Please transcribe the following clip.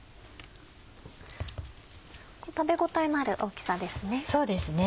食べ応えのある大きさですね。